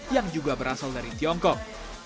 yang juga berasal dari tiongkok